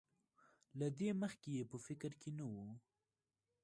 له دې مخکې یې په فکر کې نه وو.